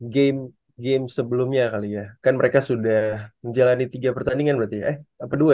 game game sebelumnya kali ya kan mereka sudah menjalani tiga pertandingan berarti ya